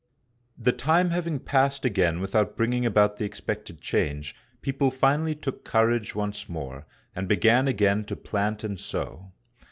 The time having passed again without bringing about the expected change, people finally took courage once more, and began again to plant and sow.